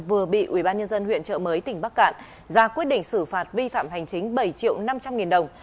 vừa bị ubnd huyện trợ mới tỉnh bắc cạn ra quyết định xử phạt vi phạm hành chính bảy triệu năm trăm linh nghìn đồng